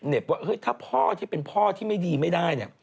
เน็บว่าถ้าเป็นพ่อไม่ดีไม่ได้